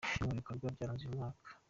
Bimwe mu bikorwa byaranze uyu mwaka.